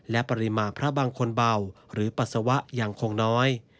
และปริมาณพระบางคนเบาหรือปัสสาวะยังคงน้อย